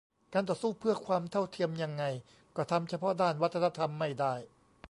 การต่อสู้เพื่อความเท่าเทียมยังไงก็ทำเฉพาะด้านวัฒนธรรมไม่ได้